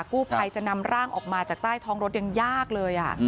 กู้ภัยจะนำร่างออกมาจากใต้ท้องรถยังยากเลย